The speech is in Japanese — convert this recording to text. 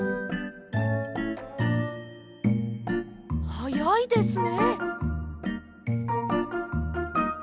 はやいですね。